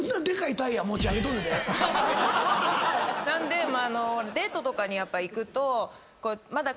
なんであのデートとかにやっぱ行くと。